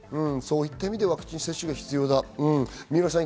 そういった意味でワクチン接種が必要だ、うん。